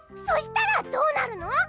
そしたらどうなるの？